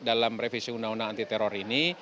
dalam revisi undang undang anti teror ini